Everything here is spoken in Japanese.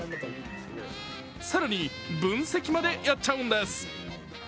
更に、分析までやっちゃうんです。